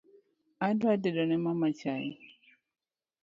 Adwa tedo ne mama chai